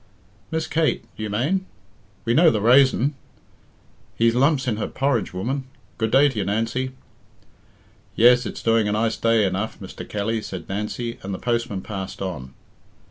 "Miss Kate, you mane? We know the raison. He's lumps in her porridge, woman. Good day to you, Nancy." "Yes, it's doing a nice day enough, Mr. Kelly," said Nancy, and the postman passed on.